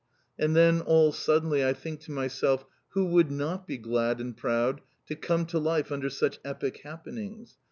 And then, all suddenly, I think to myself, who would not be glad and proud to come to life under such Epic Happenings.